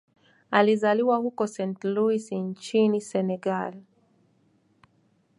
Alizaliwa huko Saint-Louis nchini Senegal.